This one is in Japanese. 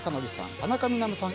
田中みな実さん